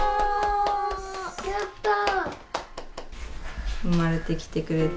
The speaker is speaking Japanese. やったー！